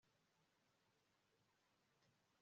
ingingo ya munani niyo sawa